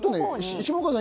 下川さん